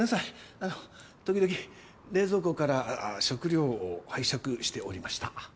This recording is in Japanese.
あの時々冷蔵庫から食糧を拝借しておりました。